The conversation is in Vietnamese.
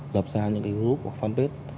lập ra những group hoặc fanpage